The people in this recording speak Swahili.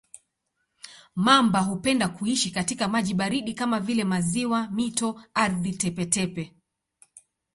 Mamba hupenda kuishi katika maji baridi kama vile maziwa, mito, ardhi tepe-tepe.